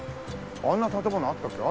あんな建物あったっけ？